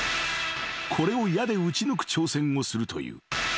［これを矢で撃ち抜く挑戦をするという］